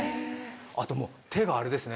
あと手があれですね